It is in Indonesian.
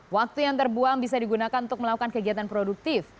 waktu yang terbuang bisa digunakan untuk melakukan kegiatan produktif